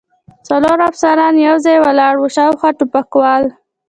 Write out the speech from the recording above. څلور افسران یو ځای ولاړ و، شاوخوا ټوپکوال.